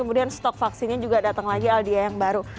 kemudian stok vaksinnya juga datang lagi aldia yang baru